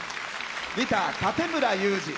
ギター、館村雄二。